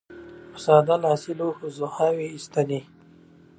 په ساده لاسي لوښو ځوښاوې اېستلې.